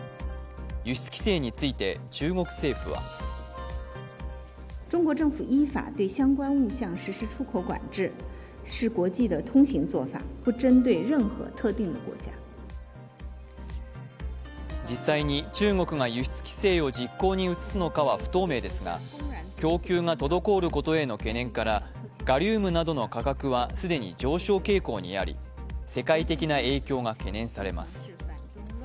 輸出規制について中国政府は実際に中国が輸出規制を実行に移すのかは不透明ですが供給が滞ることへの懸念からガリウムなどの価格は既に上昇傾向にあり世界的な影響が懸念されます。